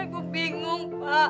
ibu bingung pak